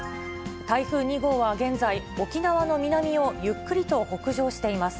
台風２号は現在、沖縄の南をゆっくりと北上しています。